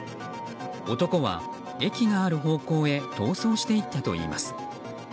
男は駅がある方向へ逃走していったといいます。